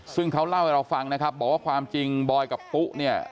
ซึ่งเขาเล่าให้เราฟังนะครับบอกว่าความจริงบอยกับปุ๊เนี่ย